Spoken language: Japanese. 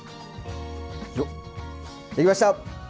よっできました！